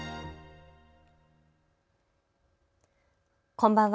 こんばんは。